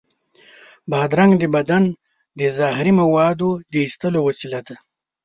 بادرنګ د بدن د زهري موادو د ایستلو وسیله ده.